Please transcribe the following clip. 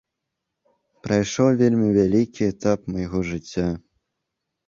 Прайшоў вельмі вялікі этап майго жыцця.